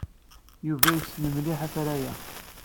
Yuba yessen mliḥ afray-a.